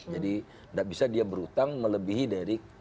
jadi tidak bisa dia berutang melebihi dari